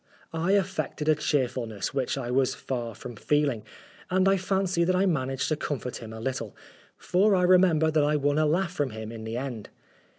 I affected a cheerfulness which I was far from feeling, and I fancy that I managed to comfort him a little, for I remember that I won a laugh from him in the end.